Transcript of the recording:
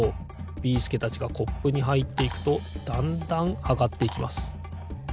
ビーすけたちがコップにはいっていくとだんだんあがっていきます。